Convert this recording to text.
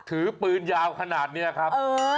ถือปืนยาวขนาดนี้ครับ